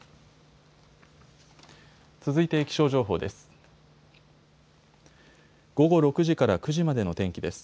続いて気象情報です。